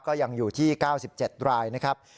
ก็ยังอยู่ที่๙๗รายนะครับ